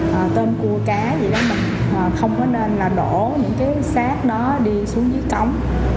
là tên cua cá vậy đó mà không có nên là đổ những cái sát đó đi xuống dưới cống